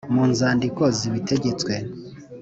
mu nzandiko z’ibitegetswe